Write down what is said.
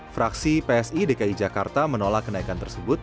fraksi psi dki jakarta menolak kenaikan tersebut